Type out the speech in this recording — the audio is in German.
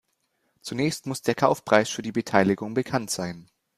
Zunächst muss der Kaufpreis für die Beteiligung bekannt sein.